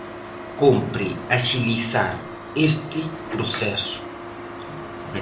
Compre axilizar este proceso.